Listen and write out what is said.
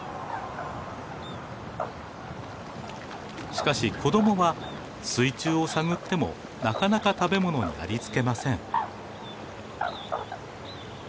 しかし子供は水中を探ってもなかなか食べ物にありつけません。